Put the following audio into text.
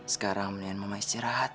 sekarang mendingan mama istirahat